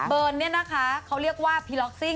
เบิร์นเนี่ยนะคะเขาเรียกว่าพีล็อกซิ่ง